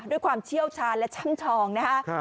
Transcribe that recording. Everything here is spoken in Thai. ด้วยความเชี่ยวชาญและช่ำชองนะคะ